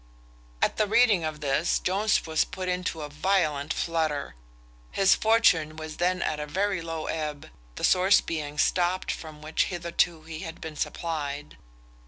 At the reading of this, Jones was put into a violent flutter. His fortune was then at a very low ebb, the source being stopt from which hitherto he had been supplied.